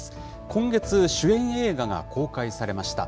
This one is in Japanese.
今月、主演映画が公開されました。